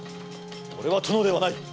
俺は殿ではない。